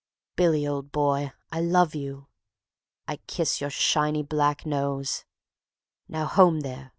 "Billy, old boy, I love you, I kiss your shiny black nose; Now, home there.